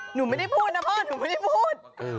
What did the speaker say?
หนูไม่ได้พูดนะพ่อหนูไม่ได้พูด